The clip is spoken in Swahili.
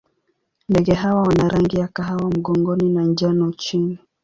Ndege hawa wana rangi ya kahawa mgongoni na njano chini.